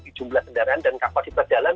di jumlah kendaraan dan kapasitas jalan